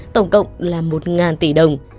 tổng cộng là một tỷ đồng